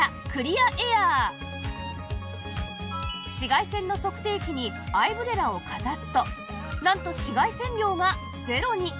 紫外線の測定器にアイブレラをかざすとなんと紫外線量がゼロに